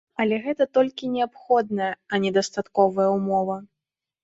Але гэта толькі неабходная, а не дастатковая ўмова.